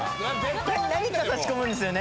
何か差し込むんですよね？